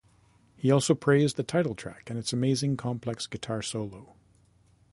He also praised the title track, and its "amazing, complex guitar solo".